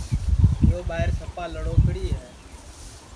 رادھاں سپا لڑوکڑی ہے